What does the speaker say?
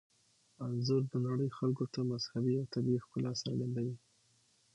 انځور د نړۍ خلکو ته مذهبي او طبیعي ښکلا څرګندوي.